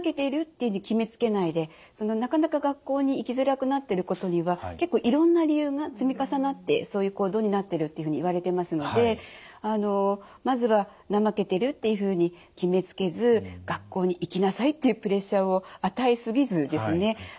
でもなかなか学校に行きづらくなってることには結構いろんな理由が積み重なってそういう行動になってるっていうふうにいわれてますのでまずは怠けてるっていうふうに決めつけず学校に行きなさいっていうプレッシャーを与え過ぎずですね